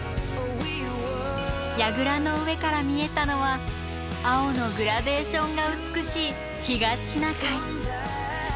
やぐらの上から見えたのは青のグラデーションが美しい東シナ海。